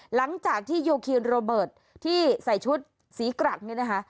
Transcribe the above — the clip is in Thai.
หลังจากที่โยคีนโรเบิร์ตที่ใส่ชุดสีกรักเนี่ยนะคะ